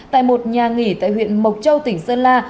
tại một nhà nghỉ tại huyện mộc châu tỉnh sơn la